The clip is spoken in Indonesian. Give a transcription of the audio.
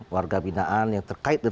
warga binaan yang terkait